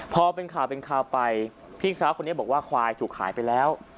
พอเป็นข่าวเป็นข่าวไปพี่พระคนนี้บอกว่าควายถูกขายไปแล้ว